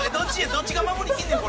どっちが守りきんねん？